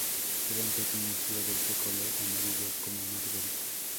Llevan pequeñas flores de color amarillo como margaritas.